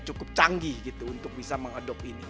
cukup canggih gitu untuk bisa mengadopt ini